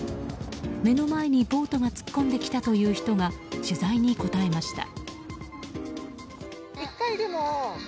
目の前にボートが突っ込んできたという人が取材に答えました。